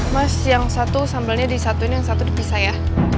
mas yang satu sambelnya disatuin yang satu di pisah ya